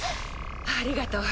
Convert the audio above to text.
ありがとう。